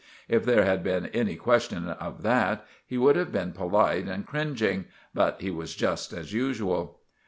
If there had been any question of that, he would have been polite and kringeing; but he was just as usual.